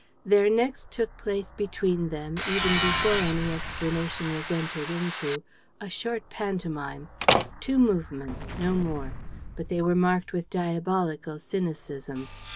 There next took place between them, even before any explanation was entered into, a short pantomime: two movements, no more; but they were marked with diabolical cynicism.